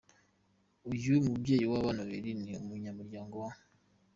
Uyu mubyeyi w’abana babiri ni umunyamuryango wa